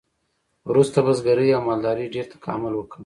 وروسته بزګرۍ او مالدارۍ ډیر تکامل وکړ.